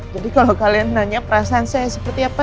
jadi kalau kalian nanya perasaan saya seperti apa